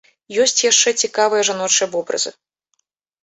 Ёсць яшчэ цікавыя жаночыя вобразы.